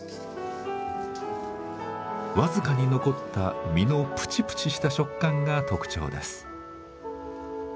僅かに残った実のプチプチした食感が特徴です。